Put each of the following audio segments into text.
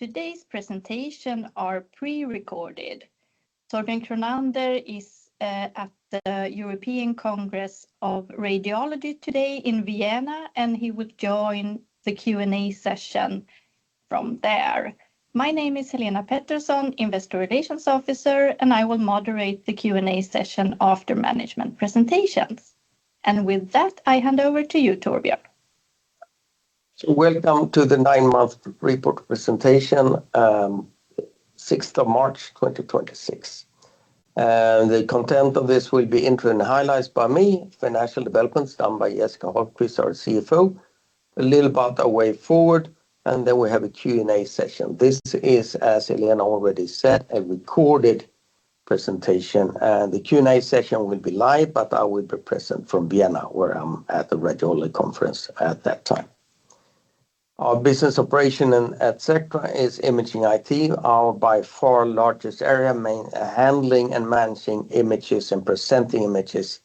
Today's presentation are prerecorded. Torbjörn Kronander is at the European Congress of Radiology today in Vienna, and he will join the Q&A session from there. My name is Helena Pettersson, investor relations officer, and I will moderate the Q&A session after management presentations. With that, I hand over to you, Torbjörn. Welcome to the nine-month report presentation, 6th of March 2026. The content of this will be intro and highlights by me, financial developments done by Jessica Holmquist, our CFO, a little about our way forward, and then we have a Q&A session. This is, as Helena already said, a recorded presentation. The Q&A session will be live, but I will be present from Vienna, where I'm at the radiology conference at that time. Our business operation at Sectra is Imaging IT, our by far largest area, handling and managing images and presenting images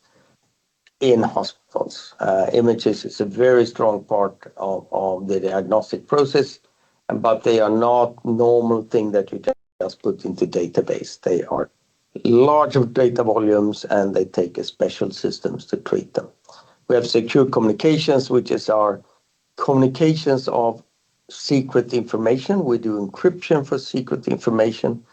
in hospitals. Images is a very strong part of the diagnostic process, but they are not normal thing that you can just put into database. They are large data volumes, and they take special systems to treat them. We have Secure Communications, which is our communications of secret information. We do encryption for secret information,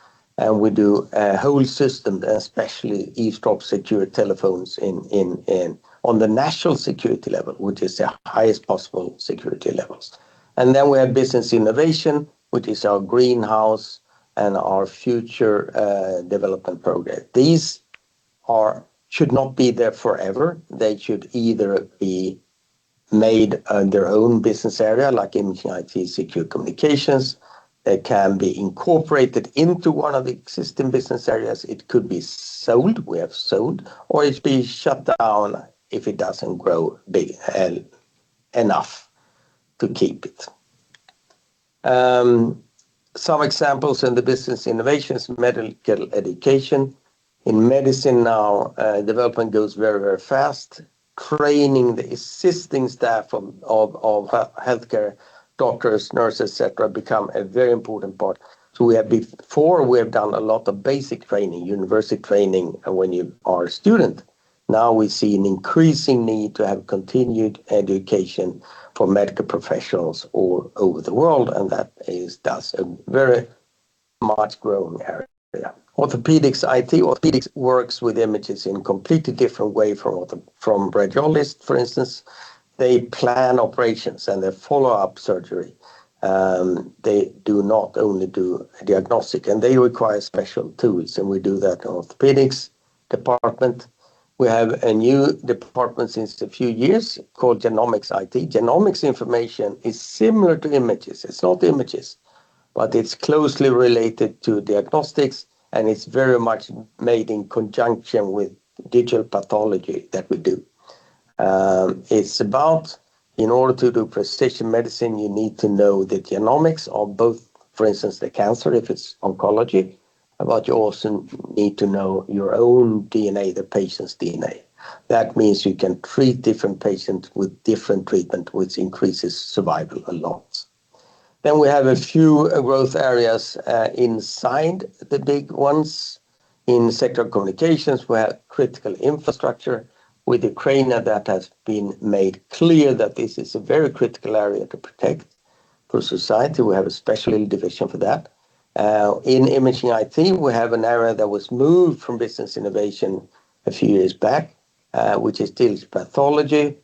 we do a whole system, especially eavesdrop-secure telephones in on the national security level, which is the highest possible security levels. We have Business Innovation, which is our greenhouse and our future development program. These should not be there forever. They should either be made their own business area, like Imaging IT, Secure Communications. They can be incorporated into one of the existing business areas. It could be sold, we have sold, or it be shut down if it doesn't grow big and enough to keep it. Some examples in the Business Innovation is medical education. In medicine now, development goes very fast. Training the assisting staff of healthcare, doctors, nurses, et cetera, become a very important part. Before, we have done a lot of basic training, university training when you are a student. Now we see an increasing need to have continued education for medical professionals all over the world, and that is, that's a very much growing area. Orthopaedics IT. Orthopaedics works with images in completely different way from radiologists, for instance. They plan operations and they follow up surgery. They do not only do diagnostic, and they require special tools, and we do that. Orthopaedics department, we have a new department since a few years called Genomics IT. Genomics information is similar to images. It's not images, but it's closely related to diagnostics, and it's very much made in conjunction with digital pathology that we do. It's about in order to do precision medicine, you need to know the genomics of both, for instance, the cancer, if it's oncology, but you also need to know your own DNA, the patient's DNA. That means you can treat different patients with different treatment, which increases survival a lot. We have a few growth areas inside the big ones. In Secure Communications, we have critical infrastructure. With Ukraine, that has been made clear that this is a very critical area to protect for society. We have a special division for that. In Imaging IT, we have an area that was moved from Business Innovation a few years back, which is digital pathology,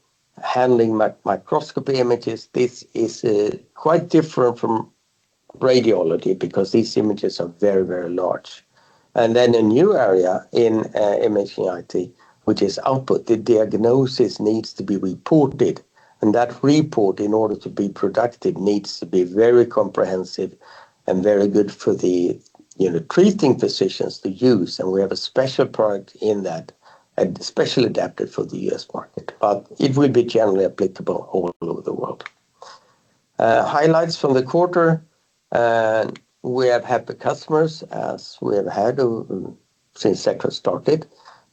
handling microscopy images. This is quite different from radiology because these images are very, very large. A new area in Imaging IT, which is Oxipit. The diagnosis needs to be reported, that report, in order to be productive, needs to be very comprehensive and very good for the, you know, treating physicians to use. We have a special product in that, specially adapted for the U.S. market, but it will be generally applicable all over the world. Highlights from the quarter. We have happy customers, as we have had since Sectra started.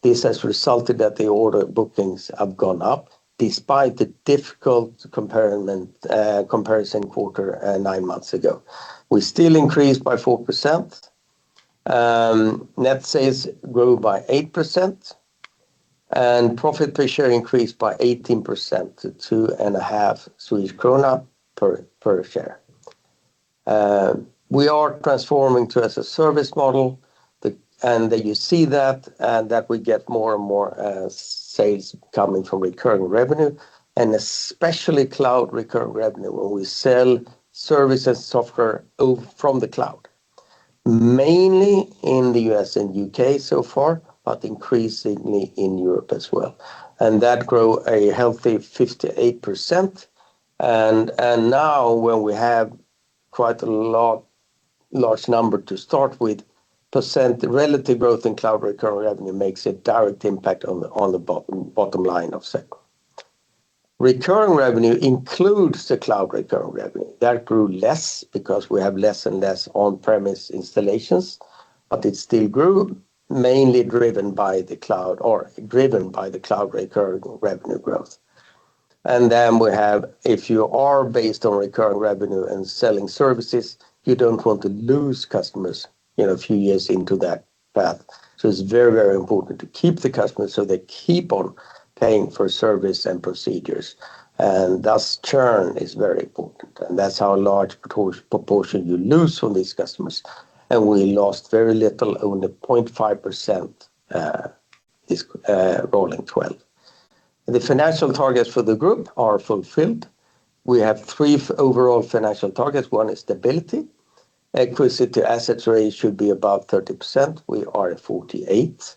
This has resulted that the order bookings have gone up despite the difficult comparison quarter, nine months ago. We still increased by 4%. Net sales grew by 8%, and profit per share increased by 18% to 2.5 Swedish krona per share. We are transforming to as a service model, and you see that we get more and more sales coming from recurring revenue and especially cloud recurring revenue, where we sell services, software from the cloud, mainly in the US and UK so far, but increasingly in Europe as well. That grow a healthy 58%. Now when we have quite a lot, large number to start with, percent relative growth in cloud recurring revenue makes a direct impact on the bottom line of Sectra. Recurring revenue includes the cloud recurring revenue. That grew less because we have less and less on-premise installations, but it still grew, mainly driven by the cloud or driven by the cloud recurring revenue growth. We have, if you are based on recurring revenue and selling services, you don't want to lose customers in a few years into that path. It's very, very important to keep the customers so they keep on paying for service and procedures. Thus churn is very important, and that's how large proportion you lose from these customers. We lost very little, only 0.5% this rolling 12. The financial targets for the group are fulfilled. We have three overall financial targets. One is stability. Equity to assets ratio should be above 30%. We are at 48%.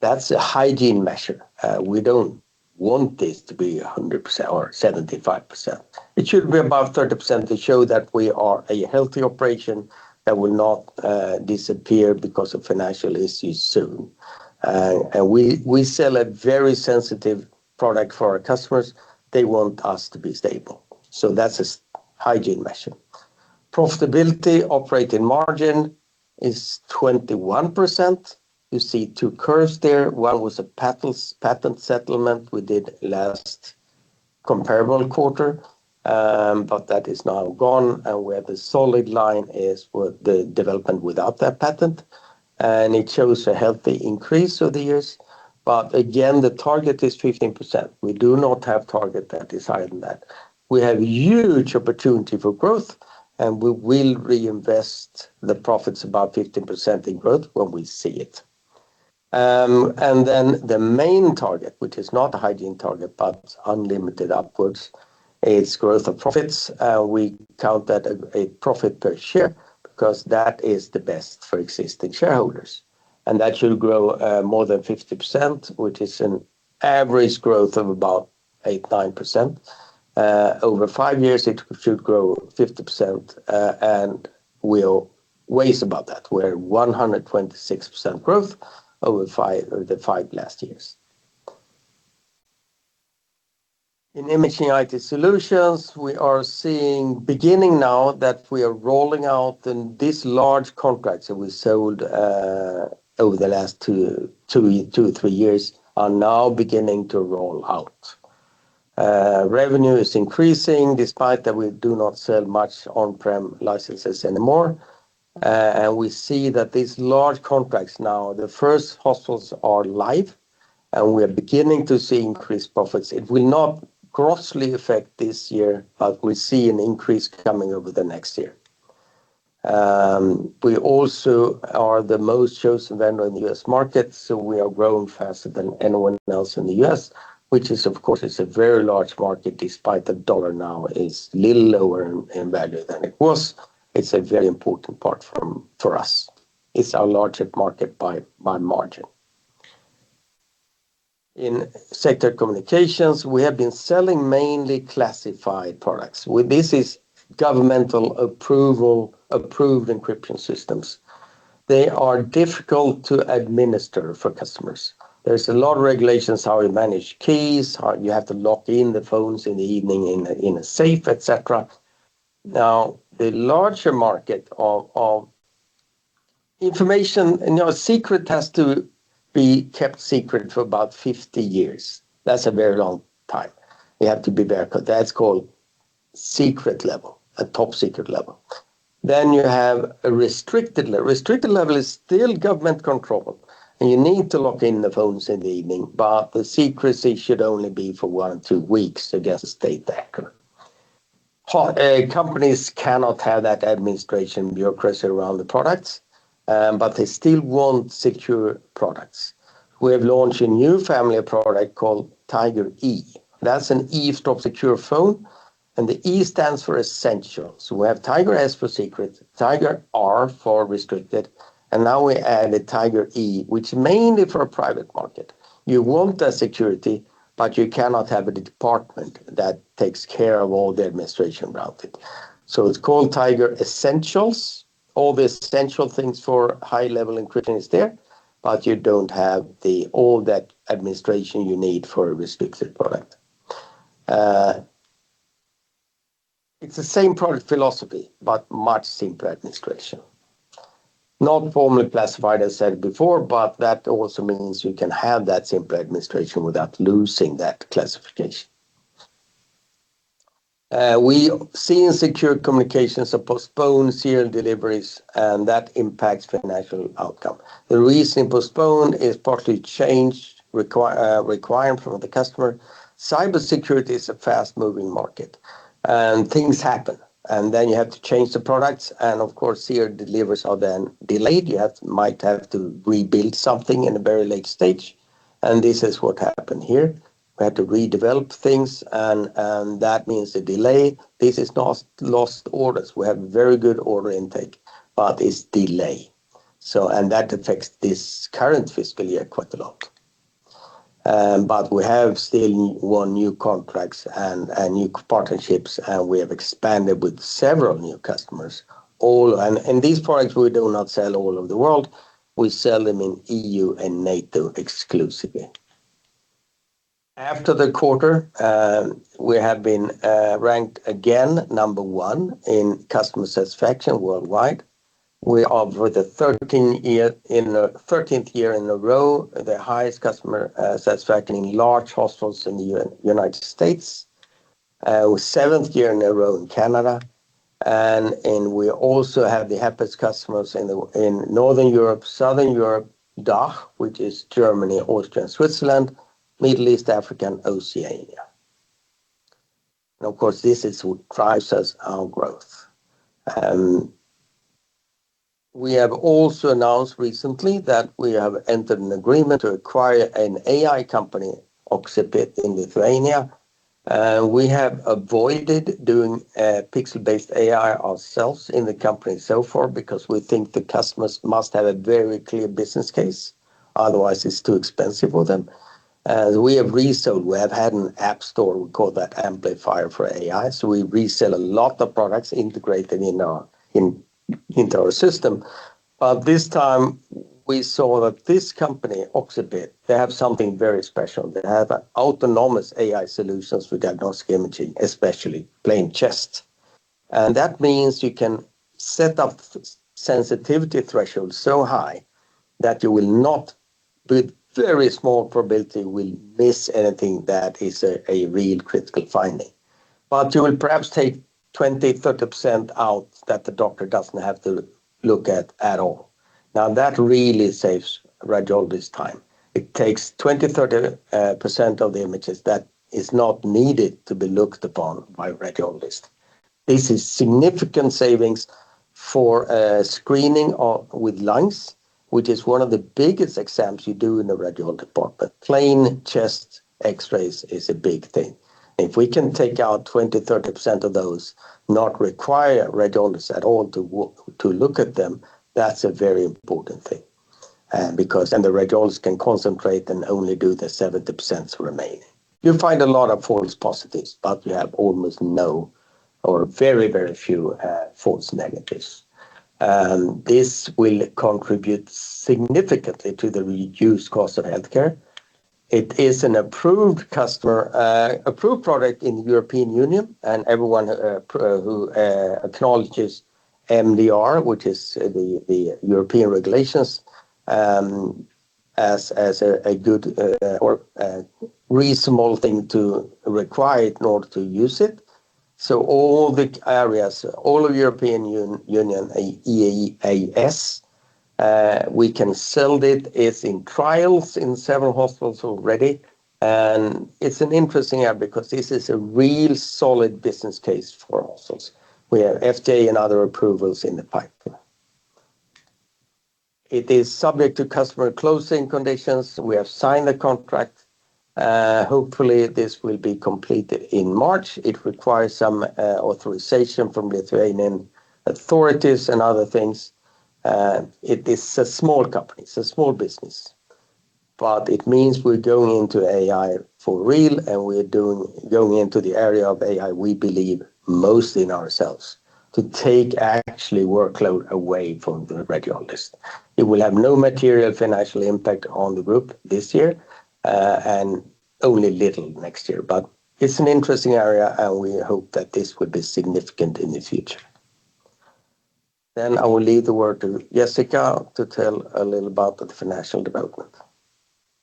That's a hygiene measure. We don't want this to be 100% or 75%. It should be above 30% to show that we are a healthy operation that will not disappear because of financial issues soon. We sell a very sensitive product for our customers. They want us to be stable. That's a hygiene measure. Profitability operating margin is 21%. You see two curves there. One was a patent settlement we did last comparable quarter. That is now gone, where the solid line is for the development without that patent. It shows a healthy increase over the years. Again, the target is 15%. We do not have target that is higher than that. We have huge opportunity for growth, we will reinvest the profits about 15% in growth when we see it. Then the main target, which is not a hygiene target but unlimited upwards, is growth of profits. We count that a profit per share because that is the best for existing shareholders. That should grow more than 50%, which is an average growth of about 8%, 9%. Over five years, it should grow 50%, and we're ways above that. We're 126% growth over the five last years. In Imaging IT Solutions, we are seeing beginning now that we are rolling out in this large contracts that we sold over the last 2-3 years are now beginning to roll out. Revenue is increasing despite that we do not sell much on-prem licenses anymore. We see that these large contracts now, the first hospitals are live, and we are beginning to see increased profits. It will not grossly affect this year, but we see an increase coming over the next year. We also are the most chosen vendor in the US market, so we are growing faster than anyone else in the US, which is, of course, it's a very large market, despite the dollar now is little lower in value than it was. It's a very important part from, for us. It's our largest market by margin. In Secure Communications, we have been selling mainly classified products. With this is governmental approval, approved encryption systems. They are difficult to administer for customers. There's a lot of regulations how you manage keys. You have to lock in the phones in the evening in a, in a safe, etc. The larger market of information. You know, a secret has to be kept secret for about 50 years. That's a very long time. You have to be very that's called SECRET level, a top secret level. You have a RESTRICTED level. RESTRICTED level is still government control, and you need to lock in the phones in the evening, but the secrecy should only be for one, two weeks against a state hacker. Companies cannot have that administration bureaucracy around the products, they still want secure products. We have launched a new family of product called Tiger/E. That's an E stop secure phone, and the E stands for essential. We have Tiger/S for SECRET, Tiger/R for RESTRICTED, and now we added Tiger/E, which is mainly for a private market. You want the security, but you cannot have a department that takes care of all the administration around it. It's called Tiger Essentials. All the essential things for high-level encryption is there, but you don't have the all that administration you need for a restricted product. It's the same product philosophy, but much simpler administration. Not formally classified, I said before, that also means you can have that simple administration without losing that classification. We've seen Secure Communications have postponed serial deliveries, and that impacts financial outcome. The reason postponed is partly changed requirement from the customer. Cybersecurity is a fast-moving market, things happen, and then you have to change the products, and of course, serial deliveries are then delayed. You might have to rebuild something in a very late stage, and this is what happened here. We had to redevelop things and that means a delay. This is lost orders. We have very good order intake, but it's delay. That affects this current fiscal year quite a lot. We have still won new contracts and new partnerships, and we have expanded with several new customers. These products we do not sell all over the world. We sell them in EU and NATO exclusively. After the quarter, we have been ranked again number one in customer satisfaction worldwide. We are with the 13 year, in the 13th year in a row, the highest customer satisfaction in large hospitals in the United States. Seventh year in a row in Canada, and we also have the happiest customers in Northern Europe, Southern Europe, DACH, which is Germany, Austria, and Switzerland, Middle East, Africa, and Oceania. Of course, this is what drives us our growth. We have also announced recently that we have entered an agreement to acquire an AI company, Oxipit, in Lithuania. We have avoided doing pixel-based AI ourselves in the company so far because we think the customers must have a very clear business case, otherwise it's too expensive for them. We have resold. We have had an app store. We call that Amplifier for AI. We resell a lot of products integrated into our system. This time we saw that this company, Oxipit, they have something very special. They have autonomous AI solutions for diagnostic imaging, especially plain chest. That means you can set up sensitivity threshold so high that you will not, with very small probability, will miss anything that is a real critical finding. You will perhaps take 20%, 30% out that the doctor doesn't have to look at at all. Now, that really saves radiologist time. It takes 20%, 30% of the images that is not needed to be looked upon by radiologist. This is significant savings for screening of lungs, which is one of the biggest exams you do in the radiology department. Plain chest X-rays is a big thing. If we can take out 20%, 30% of those, not require radiologists at all to look at them, that's a very important thing. Because then the radiologists can concentrate and only do the 70% remaining. You find a lot of false positives, but you have almost no or very, very few false negatives. This will contribute significantly to the reduced cost of healthcare. It is an approved customer approved product in the European Union and everyone who acknowledges MDR, which is the European regulations, as a good or a reasonable thing to require in order to use it. All the areas, all of European Union, EEA, we can sell it. It's in trials in several hospitals already. It's an interesting area because this is a real solid business case for hospitals. We have FDA and other approvals in the pipeline. It is subject to customer closing conditions. We have signed the contract. Hopefully this will be completed in March. It requires some authorization from Lithuanian authorities and other things. It is a small company. It's a small business. It means we're going into AI for real, and we're going into the area of AI we believe most in ourselves to take actually workload away from the radiologist. It will have no material financial impact on the group this year, and only little next year. It's an interesting area, and we hope that this would be significant in the future. I will leave the word to Jessica to tell a little about the financial development.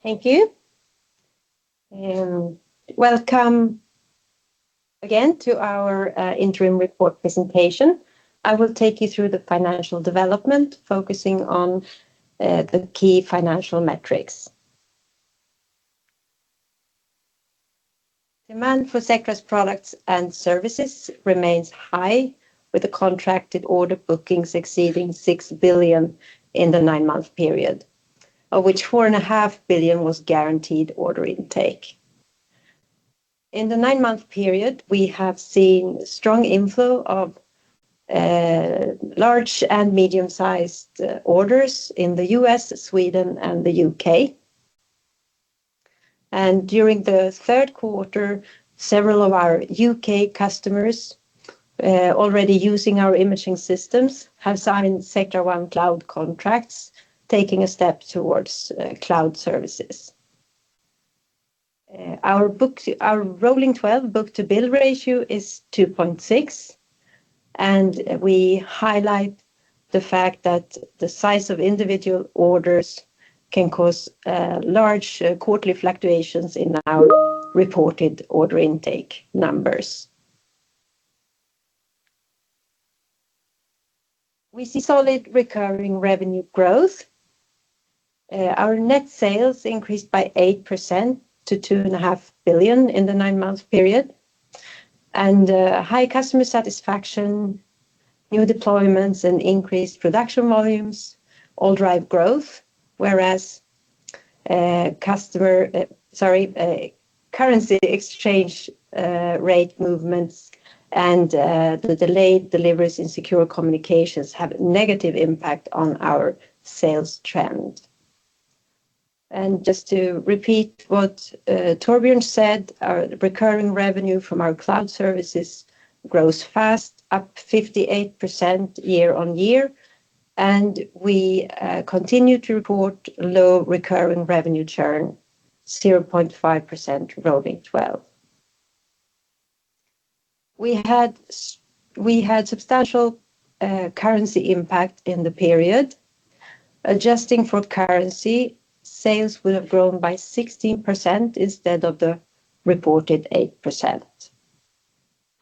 Thank you. Welcome again to our interim report presentation. I will take you through the financial development, focusing on the key financial metrics. Demand for Sectra's products and services remains high, with the contracted order bookings exceeding 6 billion in the nine-month period, of which 4.5 billion was guaranteed order intake. In the nine-month period, we have seen strong inflow of large and medium-sized orders in the U.S., Sweden, and the U.K. During the third quarter, several of our U.K. customers already using our imaging systems have signed Sectra One Cloud contracts, taking a step towards cloud services. Our books, our rolling 12 book-to-bill ratio is 2.6, and we highlight the fact that the size of individual orders can cause large quarterly fluctuations in our reported order intake numbers. We see solid recurring revenue growth. Our net sales increased by 8% to 2.5 billion in the nine-month period. High customer satisfaction, new deployments, and increased production volumes all drive growth, whereas customer, sorry, currency exchange rate movements and the delayed deliveries in Secure Communications have negative impact on our sales trend. Just to repeat what Torbjörn said, our recurring revenue from our cloud services grows fast, up 58% year-on-year, and we continue to report low recurring revenue churn, 0.5% rolling 12. We had substantial currency impact in the period. Adjusting for currency, sales would have grown by 16% instead of the reported 8%.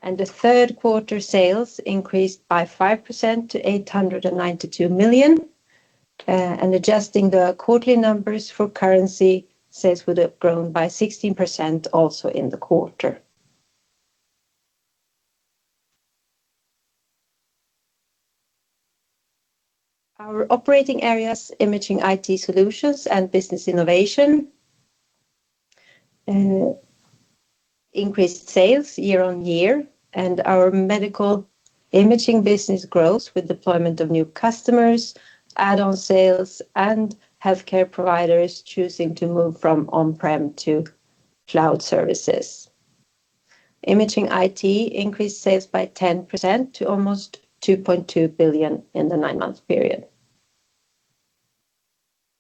The third quarter sales increased by 5% to 892 million. Adjusting the quarterly numbers for currency, sales would have grown by 16% also in the quarter. Our operating areas, Imaging IT Solutions and Business Innovation, increased sales year-on-year. Our medical imaging business grows with deployment of new customers, add-on sales, and healthcare providers choosing to move from on-prem to cloud services. Imaging IT increased sales by 10% to almost 2.2 billion in the nine-month period.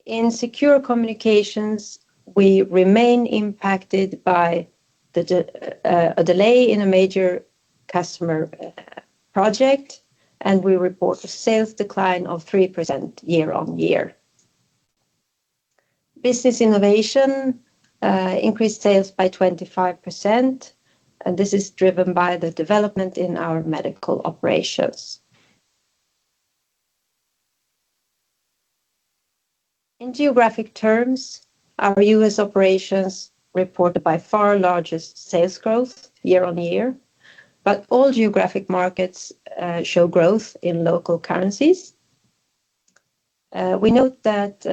In Secure Communications, we remain impacted by a delay in a major customer project. We report a sales decline of 3% year-on-year. Business Innovation increased sales by 25%. This is driven by the development in our medical operations. In geographic terms, our U.S. operations reported by far largest sales growth year-on-year. All geographic markets show growth in local currencies. We note that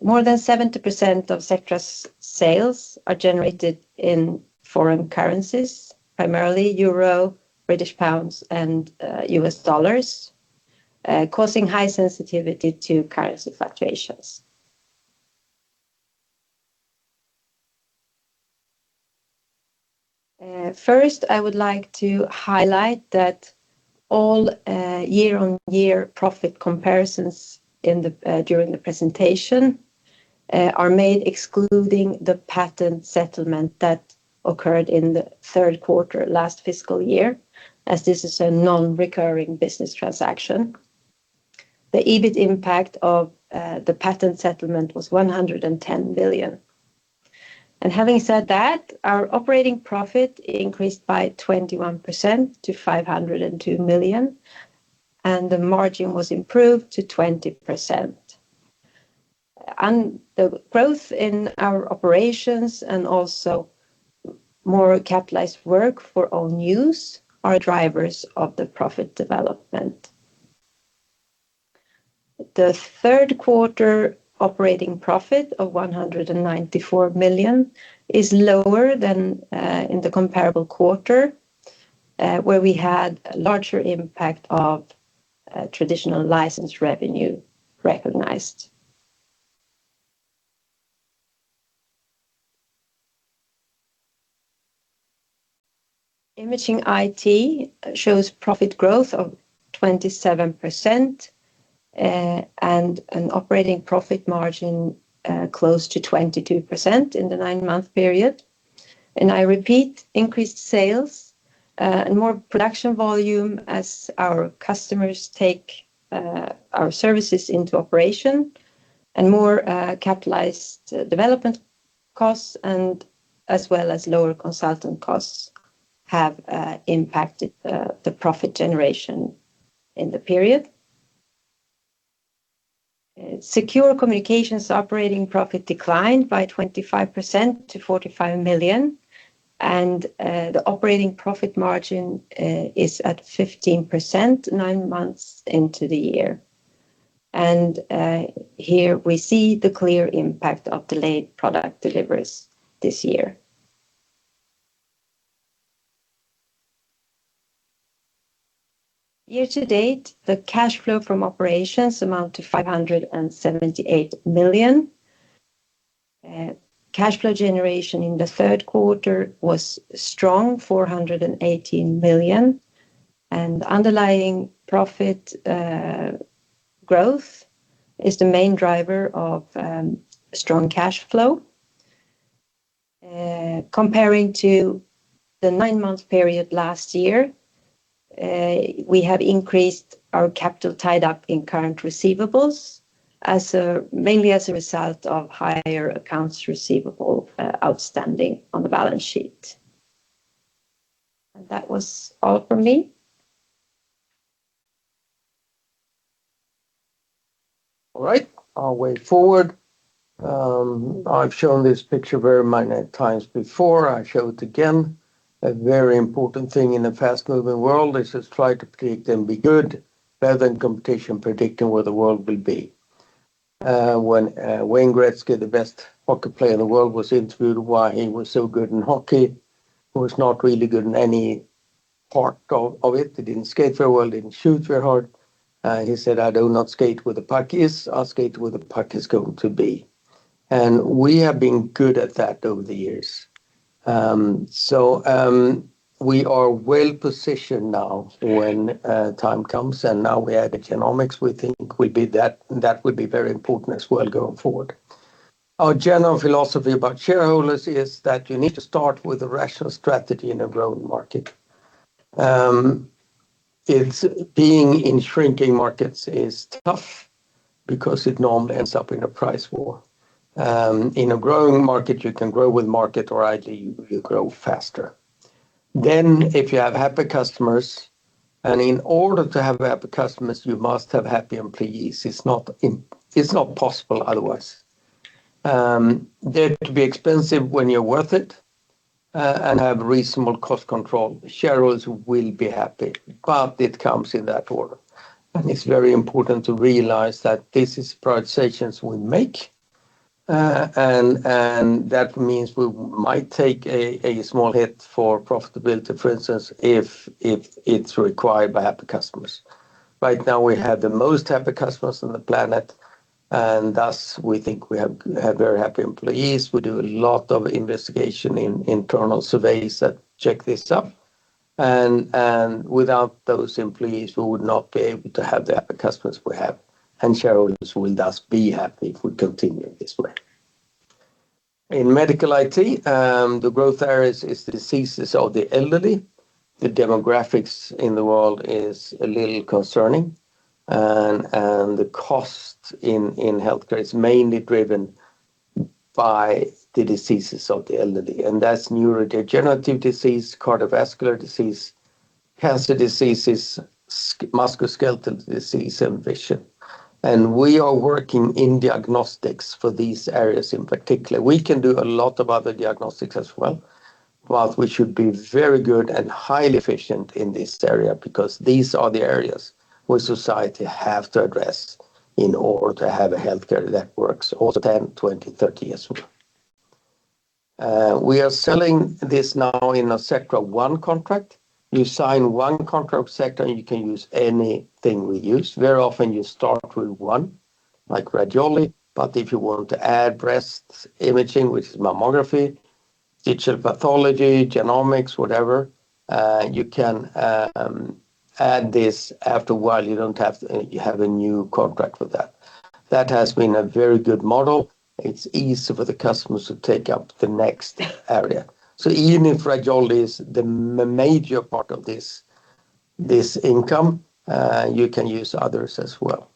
more than 70% of Sectra's sales are generated in foreign currencies, primarily euro, British pounds, and U.S. dollars, causing high sensitivity to currency fluctuations. First, I would like to highlight that all year-over-year profit comparisons during the presentation are made excluding the patent settlement that occurred in the third quarter last fiscal year, as this is a non-recurring business transaction. The EBIT impact of the patent settlement was 110 million. Having said that, our operating profit increased by 21% to 502 million, and the margin was improved to 20%. The growth in our operations and also more capitalized work for own-use are drivers of the profit development. The third quarter operating profit of 194 million is lower than in the comparable quarter, where we had a larger impact of traditional license revenue recognized. Imaging IT shows profit growth of 27% and an operating profit margin close to 22% in the nine-month period. I repeat, increased sales and more production volume as our customers take our services into operation and more capitalized development costs and as well as lower consultant costs have impacted the profit generation in the period. Secure Communications operating profit declined by 25% to 45 million, and the operating profit margin is at 15% nine months into the year. Here we see the clear impact of delayed product deliveries this year. Year to date, the cash flow from operations amount to 578 million. Cash flow generation in the third quarter was strong, 418 million. Underlying profit growth is the main driver of strong cash flow. Comparing to the nine-month period last year, we have increased our capital tied up in current receivables mainly as a result of higher accounts receivable outstanding on the balance sheet. That was all from me. All right. Our way forward. I've shown this picture very many times before. I show it again. A very important thing in a fast-moving world is try to predict and be good, better than competition predicting where the world will be. When Wayne Gretzky, the best hockey player in the world, was interviewed why he was so good in hockey, he was not really good in any part of it. He didn't skate very well, didn't shoot very hard. He said, "I do not skate where the puck is. I skate where the puck is going to be." We have been good at that over the years. We are well-positioned now when time comes, and now we have economics we think will be that will be very important as well going forward. Our general philosophy about shareholders is that you need to start with a rational strategy in a growing market. It's being in shrinking markets is tough because it normally ends up in a price war. In a growing market, you can grow with market or ideally you grow faster. If you have happy customers, and in order to have happy customers, you must have happy employees. It's not possible otherwise. They're to be expensive when you're worth it, and have reasonable cost control. Shareholders will be happy, but it comes in that order, and it's very important to realize that this is prioritizations we make. That means we might take a small hit for profitability, for instance, if it's required by happy customers. Right now, we have the most happy customers on the planet, thus we think we have very happy employees. We do a lot of investigation in internal surveys that check this up, without those employees, we would not be able to have the happy customers we have, shareholders will thus be happy if we continue this way. In medical IT, the growth areas is diseases of the elderly. The demographics in the world is a little concerning, the cost in healthcare is mainly driven by the diseases of the elderly, that's neurodegenerative disease, cardiovascular disease, cancer diseases, musculoskeletal disease and vision. We are working in diagnostics for these areas in particular. We can do a lot of other diagnostics as well, but we should be very good and highly efficient in this area because these are the areas where society have to address in order to have a healthcare that works also 10, 20, 30 years from now. We are selling this now in a Sectra One contract. You sign one contract Sectra, and you can use anything we use. Very often you start with one like radiology, but if you want to add breast imaging, which is mammography, digital pathology, genomics, whatever, you can add this after a while. You have a new contract with that. That has been a very good model. It's easy for the customers to take up the next area. Even if radiology is the major part of this income, you can use others as well.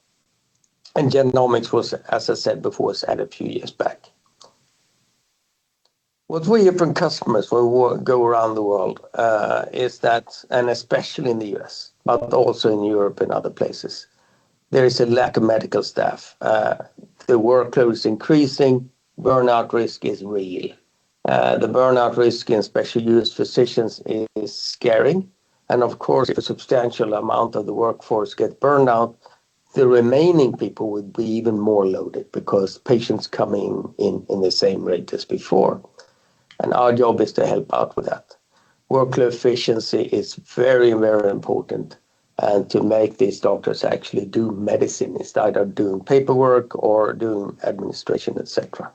Genomics was, as I said before, was added a few years back. What we hear from customers when we go around the world, is that, especially in the U.S., but also in Europe and other places, there is a lack of medical staff. The workload is increasing. Burnout risk is real. The burnout risk in especially U.S. physicians is scary, and of course, if a substantial amount of the workforce get burned out, the remaining people would be even more loaded because patients come in the same rate as before. Our job is to help out with that. Workload efficiency is very, very important, and to make these doctors actually do medicine instead of doing paperwork or doing administration, et cetera.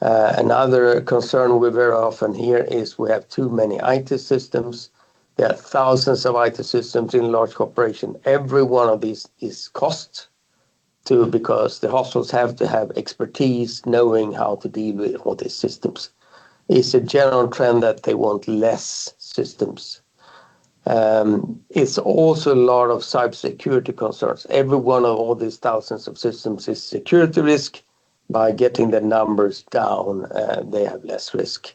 Another concern we very often hear is we have too many IT systems. There are thousands of IT systems in large corporation. Every one of these is cost too because the hospitals have to have expertise knowing how to deal with all these systems. It's a general trend that they want less systems. It's also a lot of cybersecurity concerns. Every one of all these thousands of systems is security risk. By getting the numbers down, they have less risk.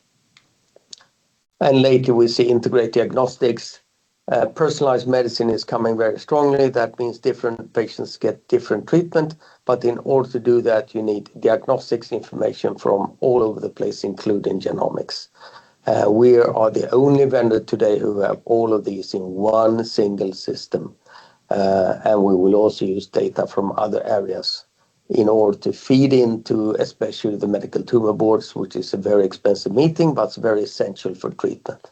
Later we see integrated diagnostics. Personalized medicine is coming very strongly. That means different patients get different treatment, but in order to do that, you need diagnostics information from all over the place, including genomics. We are the only vendor today who have all of these in one single system. We will also use data from other areas in order to feed into especially the medical tumor boards, which is a very expensive meeting, but it's very essential for treatment.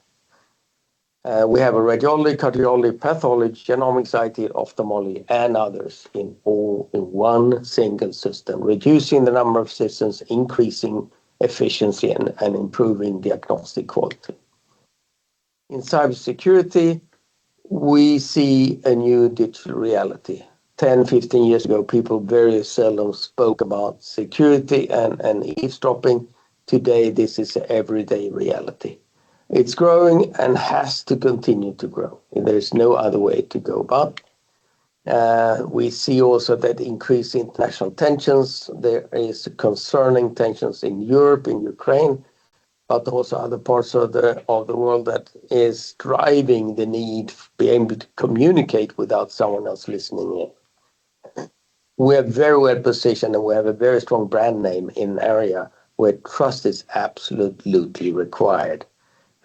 We have a radiology, cardiology, pathology, genomics, IT, ophthalmology and others in all in one single system, reducing the number of systems, increasing efficiency and improving diagnostic quality. In cybersecurity, we see a new digital reality. 10, 15 years ago, people very seldom spoke about security and eavesdropping. Today, this is a everyday reality. It's growing and has to continue to grow. There is no other way to go but. We see also that increase in international tensions. There is concerning tensions in Europe, in Ukraine, but also other parts of the world that is driving the need for being able to communicate without someone else listening in. We are very well positioned, and we have a very strong brand name in area where trust is absolutely required,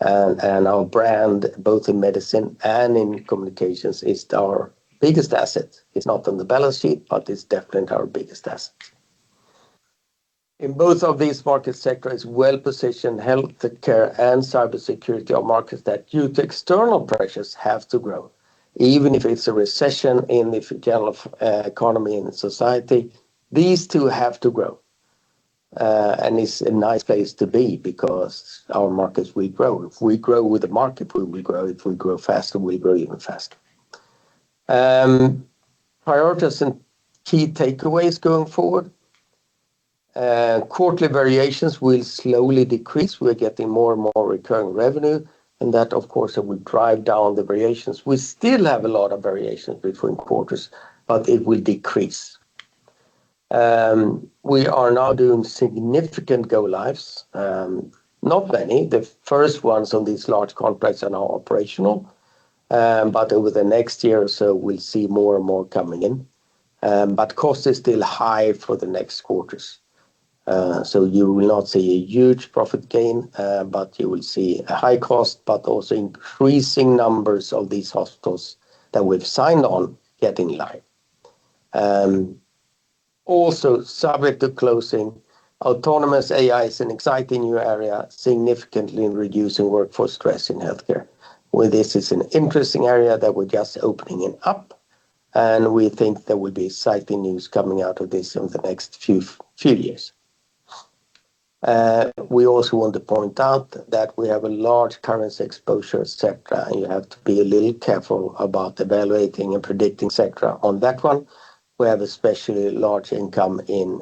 and our brand both in medicine and in communications is our biggest asset. It's not on the balance sheet, but it's definitely our biggest asset. In both of these market sectors, well-positioned healthcare and cybersecurity are markets that due to external pressures have to grow. Even if it's a recession in the general economy and society, these two have to grow. It's a nice place to be because our markets will grow. If we grow with the market, we will grow. If we grow faster, we grow even faster. Priorities and key takeaways going forward. Quarterly variations will slowly decrease. We're getting more and more recurring revenue, and that of course, it will drive down the variations. We still have a lot of variations between quarters, it will decrease. We are now doing significant go lives, not many. The first ones on these large contracts are now operational. Over the next year or so, we'll see more and more coming in. Cost is still high for the next quarters. You will not see a huge profit gain, you will see a high cost, also increasing numbers of these hospitals that we've signed on getting live. Also subject to closing, autonomous AI is an exciting new area, significantly reducing workforce stress in healthcare. Well, this is an interesting area that we're just opening it up, and we think there will be exciting news coming out of this over the next few years. We also want to point out that we have a large currency exposure, Sectra, and you have to be a little careful about evaluating and predicting Sectra on that one. We have especially large income in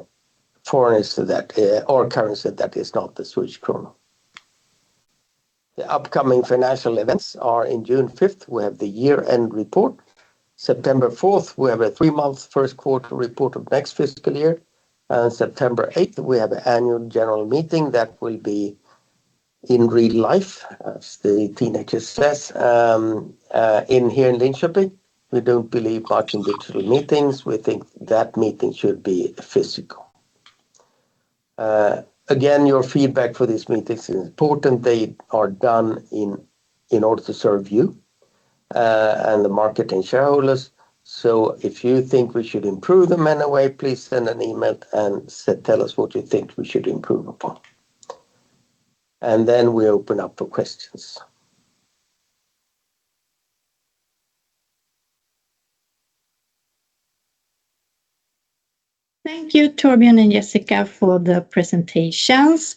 foreigners to that, or currency that is not the SEK. The upcoming financial events are in June 5, we have the year-end report. September 4, we have a three-month first quarter report of next fiscal year. September 8, we have annual general meeting that will be in real life, as the teenagers says, in here in Linköping. We don't believe much in digital meetings. We think that meeting should be physical. Again, your feedback for these meetings is important. They are done in order to serve you, and the market and shareholders. If you think we should improve them in a way, please send an email and tell us what you think we should improve upon. Then we open up for questions. Thank you, Torbjörn and Jessica, for the presentations.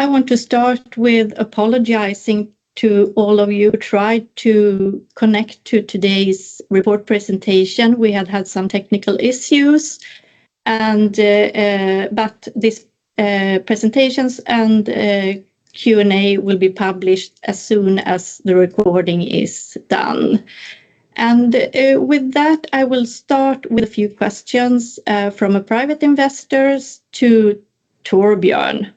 I want to start with apologizing to all of you who tried to connect to today's report presentation. We have had some technical issues, and, but this, presentations and Q&A will be published as soon as the recording is done. With that, I will start with a few questions, from a private investors to Torbjörn.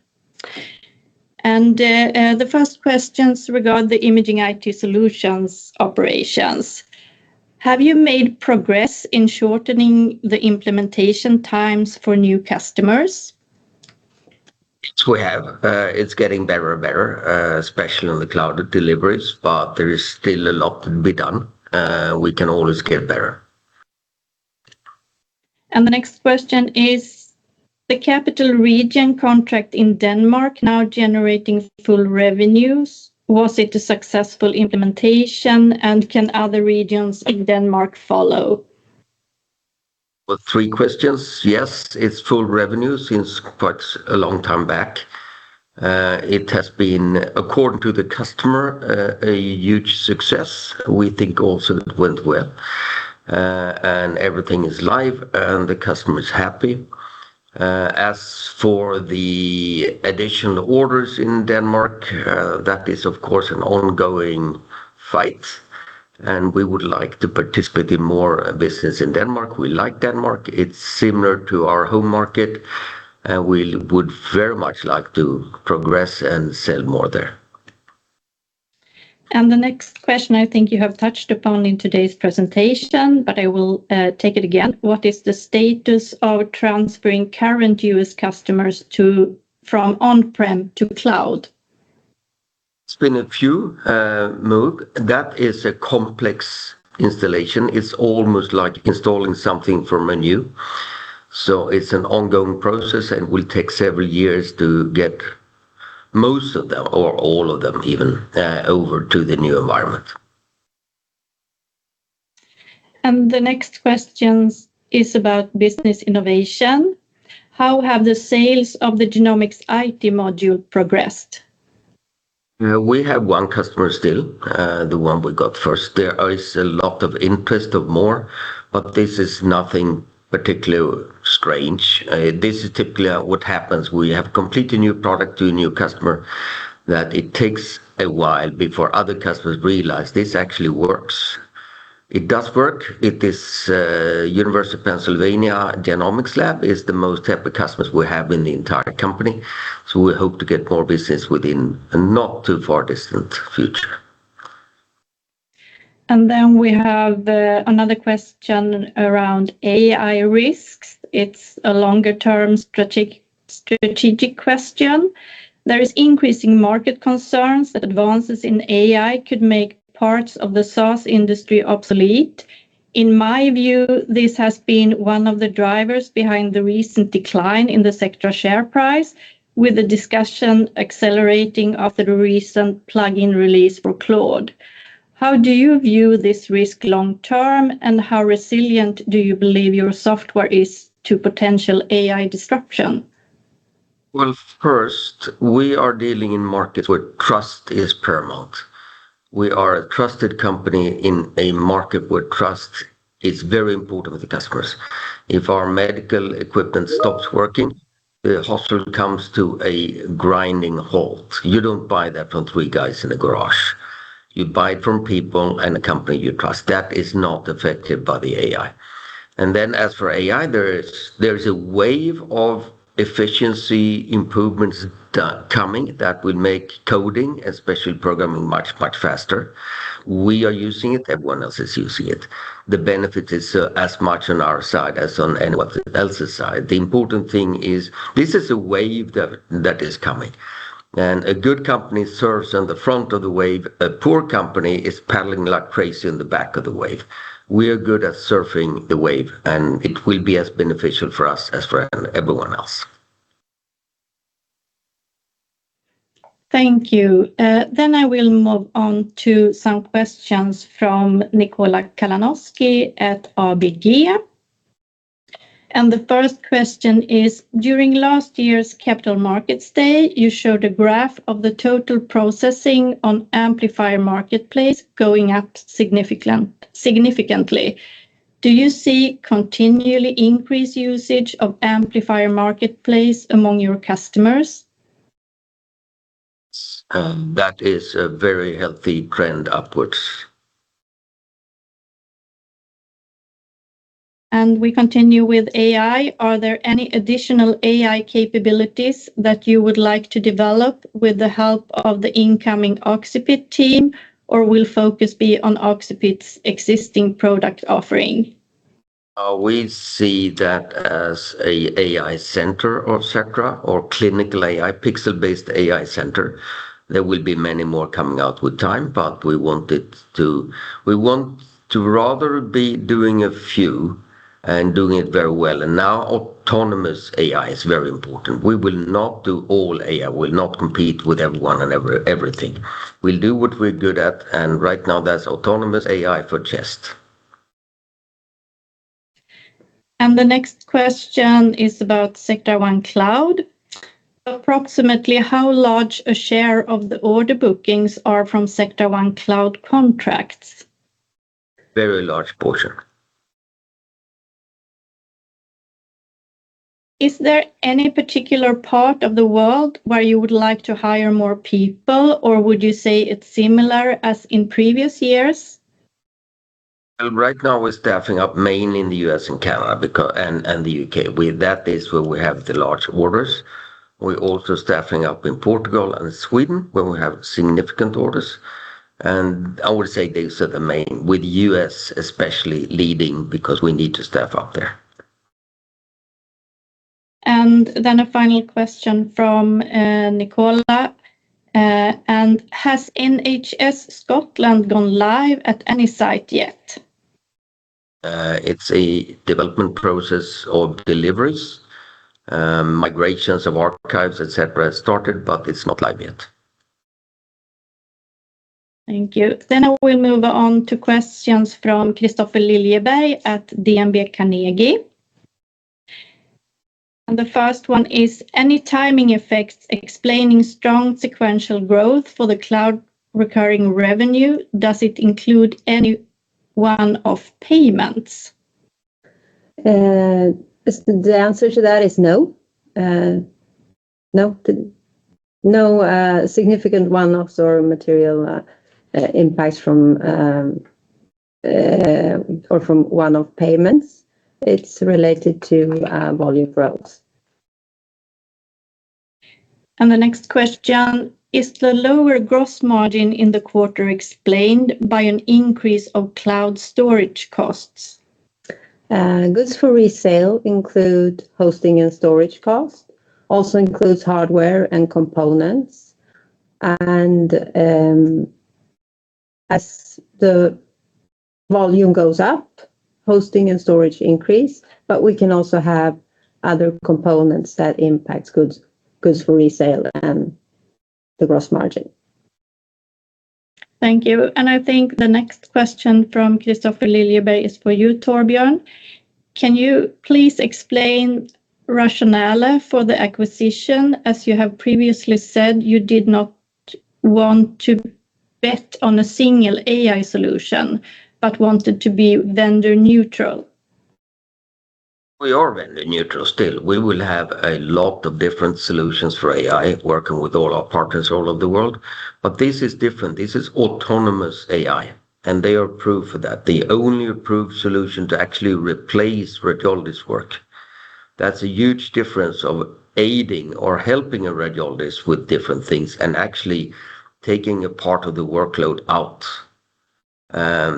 The first questions regard the Imaging IT Solutions operations. Have you made progress in shortening the implementation times for new customers? Yes, we have. It's getting better and better, especially on the cloud deliveries, but there is still a lot to be done. We can always get better. The next question is, the Capital Region contract in Denmark now generating full revenues, was it a successful implementation, and can other regions in Denmark follow? Well, three questions. Yes, it's full revenue since quite a long time back. It has been, according to the customer, a huge success. We think also it went well, and everything is live, and the customer is happy. As for the additional orders in Denmark, that is of course an ongoing fight, and we would like to participate in more business in Denmark. We like Denmark. It's similar to our home market, and we would very much like to progress and sell more there. The next question I think you have touched upon in today's presentation, but I will take it again. What is the status of transferring current U.S. customers to, from on-prem to cloud? It's been a few, move. That is a complex installation. It's almost like installing something from anew. It's an ongoing process and will take several years to get most of them or all of them even, over to the new environment. The next question is about Business Innovation. How have the sales of the Sectra Genomics module progressed? We have one customer still, the one we got first. There is a lot of interest of more, but this is nothing particularly strange. This is typically what happens. We have completely new product to a new customer that it takes a while before other customers realize this actually works. It does work. It is University of Pennsylvania Genomics Lab is the most happy customers we have in the entire company. We hope to get more business within a not too far distant future. We have another question around AI risks. It's a longer-term strategic question. There is increasing market concerns that advances in AI could make parts of the source industry obsolete. In my view, this has been one of the drivers behind the recent decline in the Sectra share price with the discussion accelerating after the recent plugin release for Claude. How do you view this risk long term, and how resilient do you believe your software is to potential AI disruption? Well, first we are dealing in markets where trust is paramount. We are a trusted company in a market where trust is very important with the customers. If our medical equipment stops working, the hospital comes to a grinding halt. You don't buy that from 3 guys in a garage. You buy it from people and a company you trust. That is not affected by the AI. As for AI, there is a wave of efficiency improvements coming that will make coding, especially programming, much, much faster. We are using it, everyone else is using it. The benefit is as much on our side as on anyone else's side. The important thing is this is a wave that is coming, a good company surfs on the front of the wave. A poor company is paddling like crazy on the back of the wave. We are good at surfing the wave, and it will be as beneficial for us as for everyone else. Thank you. I will move on to some questions from Nikola Kalanoski at ABG. The first question is, during last year's capital markets day, you showed a graph of the total processing on Amplifier Marketplace going up significantly. Do you see continually increased usage of Amplifier Marketplace among your customers? That is a very healthy trend upwards. We continue with AI. Are there any additional AI capabilities that you would like to develop with the help of the incoming Oxipit team, or will focus be on Oxipit's existing product offering? We see that as an AI center of Sectra or clinical AI, pixel-based AI center. There will be many more coming out with time, but we want to rather be doing a few and doing it very well. Now autonomous AI is very important. We will not do all AI. We will not compete with everyone and everything. We'll do what we're good at, and right now, that's autonomous AI for chest. The next question is about Sectra One Cloud. Approximately how large a share of the order bookings are from Sectra One Cloud contracts? Very large portion. Is there any particular part of the world where you would like to hire more people, or would you say it's similar as in previous years? Well, right now we're staffing up mainly in the US and Canada and the UK. That is where we have the large orders. We're also staffing up in Portugal and Sweden, where we have significant orders. I would say these are the main, with US especially leading because we need to staff up there. A final question from Nikola. Has NHS Scotland gone live at any site yet? It's a development process of deliveries. Migrations of archives, et cetera, has started, but it's not live yet. Thank you. I will move on to questions from Kristofer Liljeberg at DNB Carnegie. The first one is, any timing effects explaining strong sequential growth for the cloud recurring revenue, does it include any one-off payments? The answer to that is no. No. No, significant one-offs or material impacts from or from one-off payments. It's related to volume growth. The next question, is the lower gross margin in the quarter explained by an increase of cloud storage costs? goods for resale include hosting and storage costs, also includes hardware and components. As the volume goes up, hosting and storage increase. We can also have other components that impact goods for resale and the gross margin. Thank you. I think the next question from Kristofer Liljeberg is for you, Torbjörn. Can you please explain rationale for the acquisition? As you have previously said, you did not want to bet on a single AI solution but wanted to be vendor neutral. We are vendor neutral still. We will have a lot of different solutions for AI, working with all our partners all over the world. This is different. This is autonomous AI, and they are approved for that. The only approved solution to actually replace radiologists' work. That's a huge difference of aiding or helping a radiologist with different things and actually taking a part of the workload out,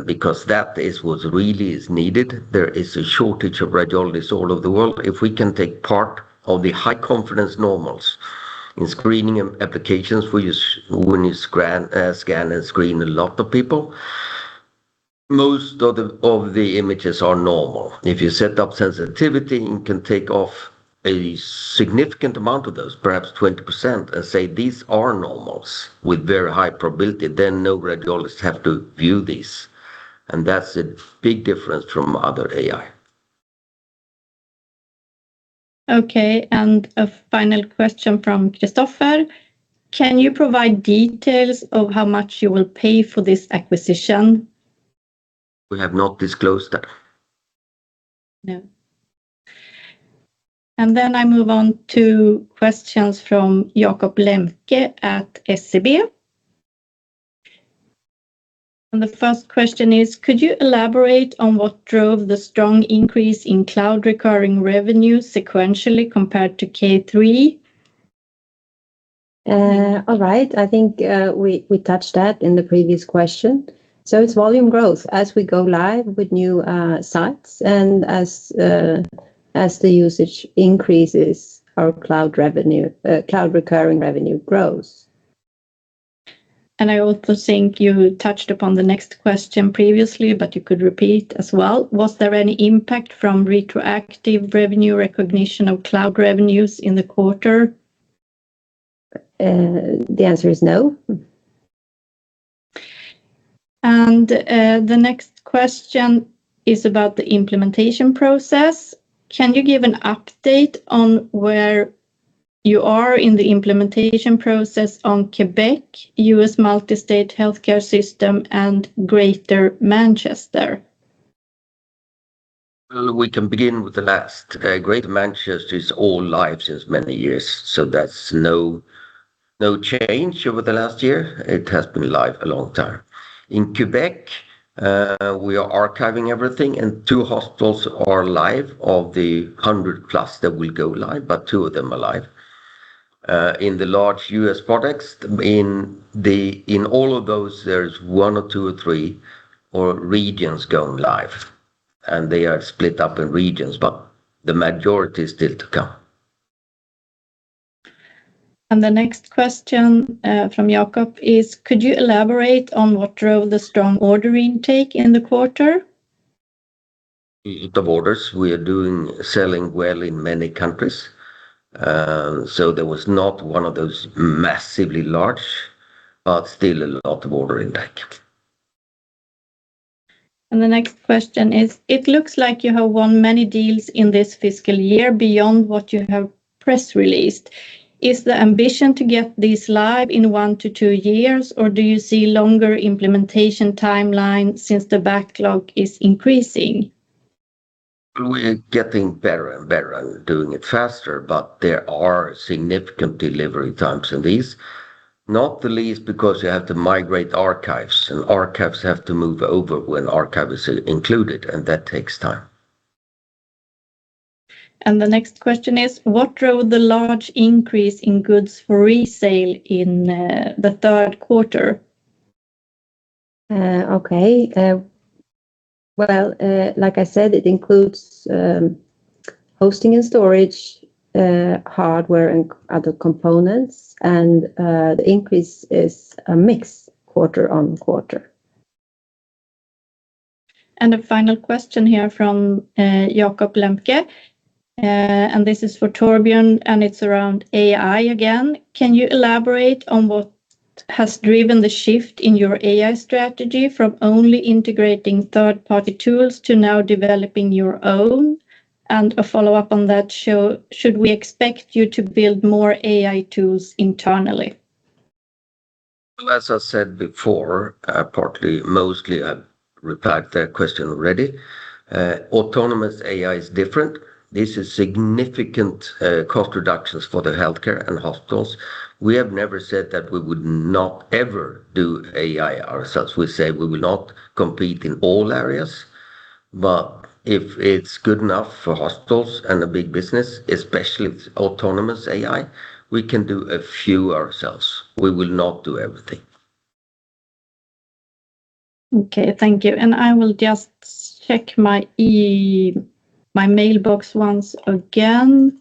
because that is what really is needed. There is a shortage of radiologists all over the world. If we can take part of the high confidence normals in screening applications, when you scan and screen a lot of people, most of the images are normal. If you set up sensitivity, you can take off a significant amount of those, perhaps 20%, and say, "These are normals with very high probability." No radiologists have to view these. That's a big difference from other AI. Okay, a final question from Kristofer. Can you provide details of how much you will pay for this acquisition? We have not disclosed that. No. I move on to questions from Jacob Lembke at SEB. The first question is, could you elaborate on what drove the strong increase in cloud recurring revenue sequentially compared to Q3? All right. I think we touched that in the previous question. It's volume growth as we go live with new sites and as the usage increases our cloud recurring revenue grows. I also think you touched upon the next question previously, but you could repeat as well. Was there any impact from retroactive revenue recognition of cloud revenues in the quarter? The answer is no. The next question is about the implementation process. Can you give an update on where you are in the implementation process on Quebec, US Multi-State Healthcare System, and Greater Manchester? We can begin with the last. Greater Manchester is all live since many years. That's no change over the last year. It has been live a long time. In Quebec, we are archiving everything, and two hospitals are live of the 100+ that will go live. Two of them are live. In the large U.S. products, in all of those, there's one or two or three regions going live, and they are split up in regions, but the majority is still to come. The next question, from Jacob Lembke is, could you elaborate on what drove the strong order intake in the quarter? The orders, we are doing, selling well in many countries. There was not one of those massively large, but still a lot of order intake. The next question is, it looks like you have won many deals in this fiscal year beyond what you have press released. Is the ambition to get these live in 1-2 years, or do you see longer implementation timeline since the backlog is increasing? We are getting better and better and doing it faster. There are significant delivery times in these, not the least because you have to migrate archives. Archives have to move over when archive is included. That takes time. The next question is, what drove the large increase in goods for resale in the third quarter? Okay. Well, like I said, it includes hosting and storage, hardware and other components, and the increase is a mix quarter-on-quarter. A final question here from Jacob Lembke. This is for Torbjörn, and it's around AI again. Can you elaborate on what has driven the shift in your AI strategy from only integrating third-party tools to now developing your own? A follow-up on that, should we expect you to build more AI tools internally? As I said before, partly, mostly I've replied that question already. autonomous AI is different. This is significant, cost reductions for the healthcare and hospitals. We have never said that we would not ever do AI ourselves. We say we will not compete in all areas, but if it's good enough for hospitals and a big business, especially if it's autonomous AI, we can do a few ourselves. We will not do everything. Okay, thank you. I will just check my e-mail, my mailbox once again.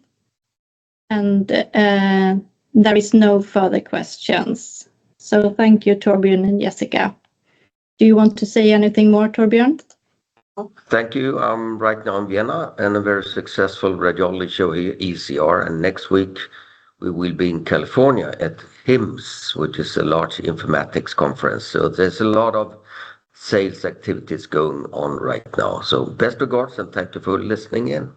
There is no further questions. Thank you, Torbjörn and Jessica. Do you want to say anything more, Torbjörn? Thank you. I'm right now in Vienna in a very successful radiology show, ECR. Next week we will be in California at HIMSS, which is a large informatics conference. There's a lot of sales activities going on right now. Best regards, and thank you for listening in.